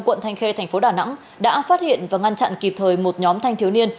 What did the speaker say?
quận thanh khê tp đà nẵng đã phát hiện và ngăn chặn kịp thời một nhóm thanh thiếu niên